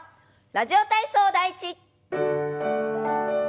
「ラジオ体操第１」。